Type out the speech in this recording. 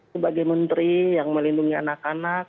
jadi saya sebagai menteri yang melindungi anak anak